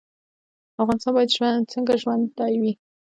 افغانستان باید څنګه ژوندی وي؟